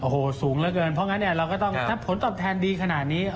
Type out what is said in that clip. โอ้โหสูงเหลือเกินเพราะงั้นเนี่ยเราก็ต้องถ้าผลตอบแทนดีขนาดนี้